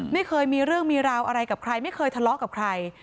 ไม่เคยมีเรื่องมีราวอะไรกับใครไม่เคยทะเลาะกับใคร